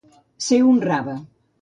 Ser un rave.